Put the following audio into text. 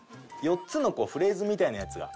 ４つのフレーズみたいなやつが。